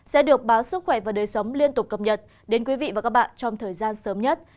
sẽ được báo sức khỏe và đời sống liên tục cập nhật đến quý vị và các bạn trong thời gian sớm nhất